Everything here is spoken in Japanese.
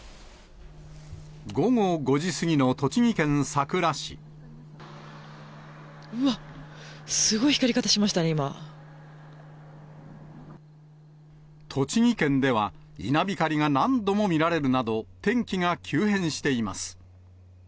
午後５時過ぎの栃木県さくらわっ、栃木県では、稲光が何度も見られるなど、天気が急変しています。